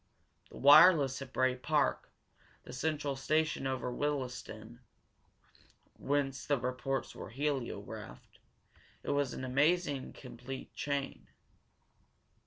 The wireless at Bray Park, the central station near Willesden, whence the reports were heliographed it was an amazingly complete chain.